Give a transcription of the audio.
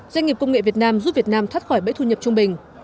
doanh nghiệp công nghệ việt nam giúp việt nam thoát khỏi bẫy thu nhập trung bình